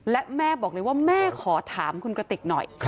และแม่บอกเลยว่าแม่ขอถามคุณกระติกหน่อย